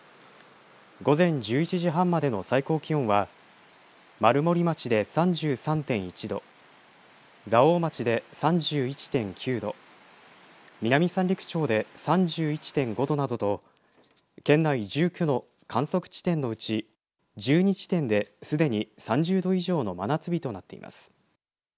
午前１１時半までの最高気温は丸森町で３３．１度蔵王町で３１．９度南三陸町で３１．５度などと県内１９の観測地点のうち１２地点で、すでに３０度以上の真夏日となっています。